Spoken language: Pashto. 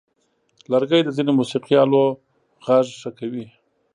لرګی د ځینو موسیقي آلو غږ ښه کوي.